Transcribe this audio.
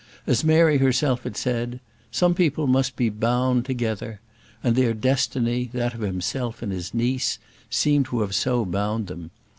As Mary herself had said, "some people must be bound together;" and their destiny, that of himself and his niece, seemed to have so bound them.